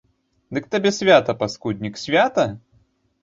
Дык табе свята, паскуднік, свята?